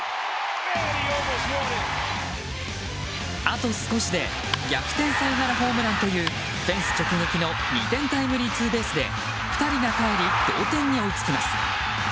あと少しで逆転サヨナラホームランというフェンス直撃の２点タイムリーツーベースで２人がかえり同点に追いつきます。